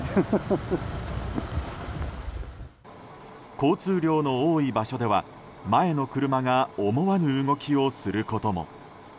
交通量の多い場所では前の車が思わぬ動きをすることも。